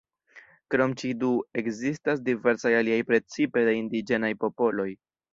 Krom ĉi du, ekzistas diversaj aliaj precipe de indiĝenaj popoloj.